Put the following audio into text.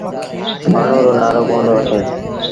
مآڻهوٚݩ رو نآلو ڪوندو وٺي۔